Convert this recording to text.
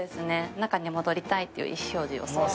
中に戻りたいっていう意思表示をする。